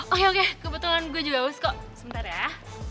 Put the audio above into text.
oke oke kebetulan gue juga awas kok sebentar ya